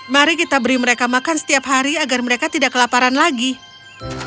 mari kita beri mereka makan setiap hari agar mereka tidak kelaparan lagi